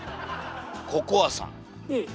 ココアさん。